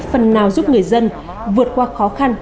phần nào giúp người dân vượt qua khó khăn